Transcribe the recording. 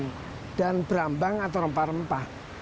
maka kita bisa lihat bahwa ini adalah ikan yang terbentuk dari pasar fabian